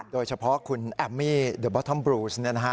โดยเฉพาะคุณแอมมี่ดับอตเทิมบรูซเนี่ยนะคะ